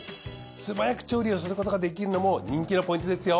すばやく調理をすることができるのも人気のポイントですよ。